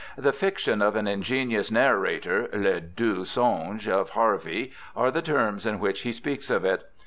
The fiction of an ingenious narrator, le doux songe of Harvey, are the terms in which he speaks of it.